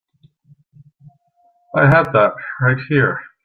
I had that right here.